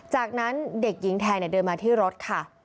จากนั้นเด็กหญิงแทนเดินมาที่รถค่ะ